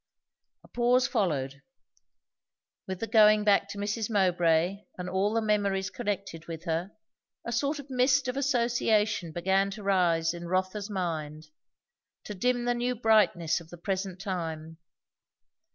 A pause followed. With the going back to Mrs. Mowbray and all the memories connected with her, a sort of mist of association began to rise in Rotha's mind, to dim the new brightness of the present time.